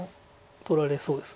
取られそうです。